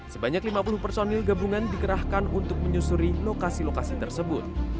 sebanyak lima puluh personil gabungan dikerahkan untuk menyusuri lokasi lokasi tersebut